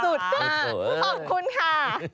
ขอบคุณค่ะ